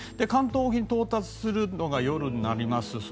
関東沖に到達するのが夜になります。